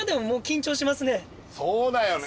そうだよね。